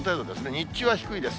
日中は低いです。